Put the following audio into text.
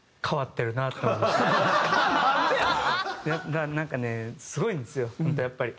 だからなんかねすごいんですよホントやっぱり。